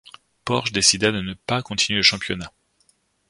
Porsche décida de ne pas continuer le championnat.